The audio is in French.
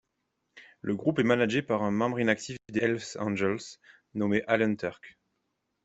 Le groupe est managé par un membre inactif des Hells Angels nommé Allen Terk.